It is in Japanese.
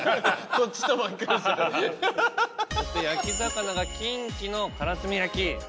そして焼き魚がキンキのからすみ焼き。